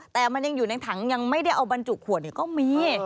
แต่มันยังอยู่ในถังยังไม่ได้เอาบรรจุขวดก็มี